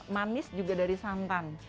manis juga dari santan